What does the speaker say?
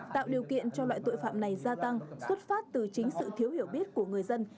tạo điều kiện cho loại tội phạm này gia tăng xuất phát từ chính sự thiếu hiểu biết của người dân